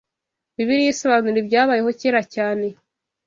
Bibiliya isobanura ibyabayeho kera cyane